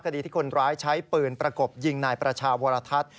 คดีที่คนร้ายใช้ปืนประกบยิงนายประชาวรทัศน์